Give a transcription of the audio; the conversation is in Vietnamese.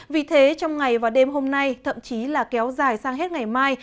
vì thế trong ngày và đêm hôm nay thậm chí là kéo dài sang hết ngày mai